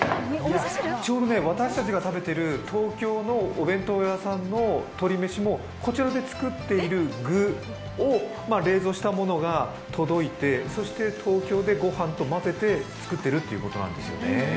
ちょうど私たちが食べている東京のお弁当屋さんの鶏めしもこちらで作っている具を冷蔵したものが届いて、そして東京でごはんと混ぜて作ってるってことなんですね。